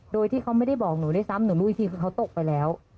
โดยที่เขาไม่ได้บอกหนูด้วยซ้ำหนูรู้อีกทีคือเขาตกไปแล้ว